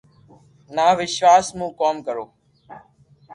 نہ وݾواݾ مون ڪوم ڪرو